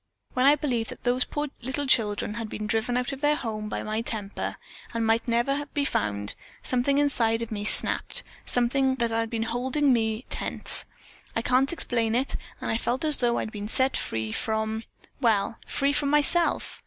When I believed that those poor little children had been driven out of their home by my temper, and might never be found, something inside of me snapped; something that had been holding me tense, I can't explain it, and I felt as though I had been set free from well, free from myself.